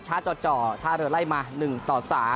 จ่อท่าเรือไล่มา๑ต่อ๓